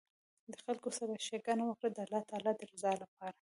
د خلکو سره ښیګڼه وکړه د الله تعالي د رضا لپاره